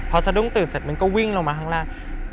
พอสะดุ้งตื่นเสร็จมันก็วิ่งลงมาข้างล่าง